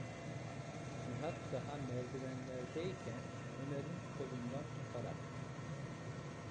Nihat daha merdivenlerdeyken Ömer’in kolundan tutarak: